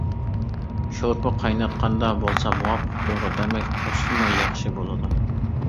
شورپا قايناتقاندا بولسا مۇۋاپىق دورا-دەرمەك قوشسىمۇ ياخشى بولىدۇ.